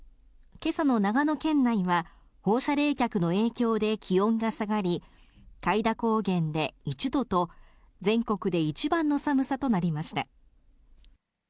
けさの長野県内は、放射冷却の影響で気温が下がり、開田高原で１度と、全国で一番の寒さとなりました。